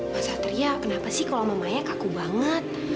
mas satria kenapa sih kalau sama maya kaku banget